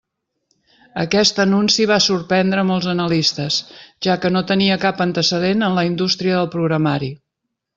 Aquest anunci va sorprendre molts analistes, ja que no tenia cap antecedent en la indústria del programari.